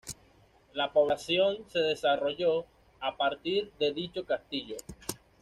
La población se desarrolló a partir de dicho castillo.